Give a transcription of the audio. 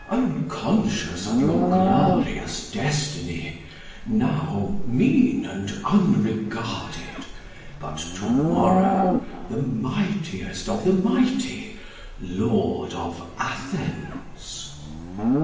Unconscious of your glorious destiny, Now mean and unregarded; but to morrow, The mightiest of the mighty, Lord of Athens. S. S.